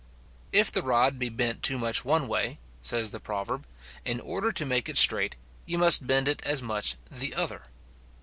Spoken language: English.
If the rod be bent too much one way, says the proverb, in order to make it straight, you must bend it as much the other.